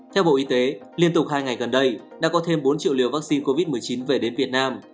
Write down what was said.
theo bộ y tế liên tục hai ngày gần đây đã có thêm bốn triệu liều vaccine covid một mươi chín về đến việt nam